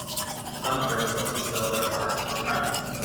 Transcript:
Some artists also sell their art or craft.